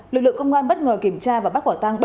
lực lượng công an bất ngờ kiểm tra và bắt quả tăng